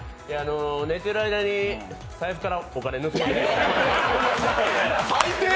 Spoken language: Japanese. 寝てる間に財布からお金盗まれました。